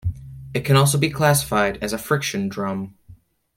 It can also be classified as a friction drum.